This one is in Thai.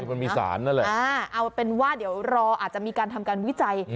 มันมีสารนั่นแหละเอาเป็นว่าเดี๋ยวรออาจจะมีการทำการวิจัย